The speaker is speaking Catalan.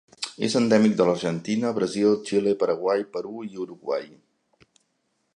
És endèmic de l'Argentina, Brasil, Xile, Paraguai, Perú i Uruguai.